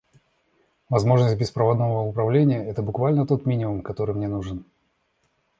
Возможность беспроводного управления — это буквально тот минимум, который мне нужен.